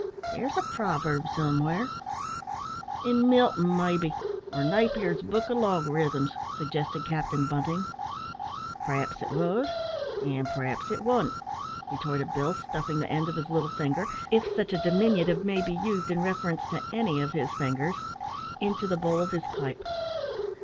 There's a proverb somewhere " "In Milton, maybe, or Napier's book o' logarithms," suggested Captain Bunting. "P'r'aps it wos, and p'r'aps it wosn't," retorted Bill, stuffing the end of his little finger, (if such a diminutive may be used in reference to any of his fingers), into the bowl of his pipe.